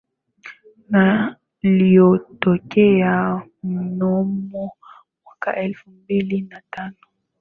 yaliotokea mnamo mwaka elfu mbili na tano